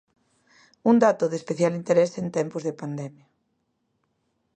Un dato de especial interese en tempos de pandemia.